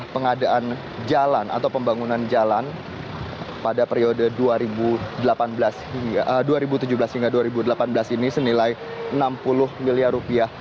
pengadaan jalan atau pembangunan jalan pada periode dua ribu tujuh belas hingga dua ribu delapan belas ini senilai enam puluh miliar rupiah